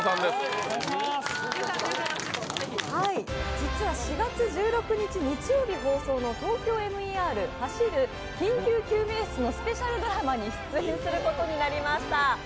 実は４月１６日日曜日放送の「ＴＯＫＹＯＭＥＲ走る緊急救命室」のスペシャルドラマに出演することになりました。